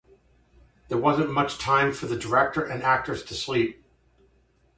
There wasn't much time for the director and actors to sleep.